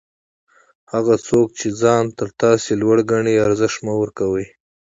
هغه څوک چي ځان تر تاسي لوړ ګڼي؛ ارزښت مه ورکوئ!